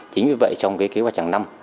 chính vì vậy trong cái kế hoạch hàng năm